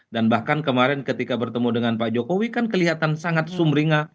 dan bahkan kemarin ketika bertemu dengan pak jokowi kan kelihatan sangat sumringa